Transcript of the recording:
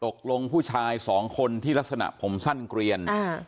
ผู้ชายสองคนที่ลักษณะผมสั้นเกลียน